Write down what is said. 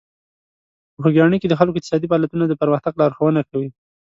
په خوږیاڼي کې د خلکو اقتصادي فعالیتونه د پرمختګ لارښوونه کوي.